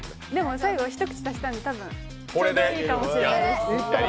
最後、一口足したのでちょうどいいかもしれないです。